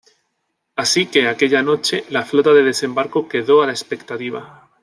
Así que aquella noche la flota de desembarco quedó a la expectativa.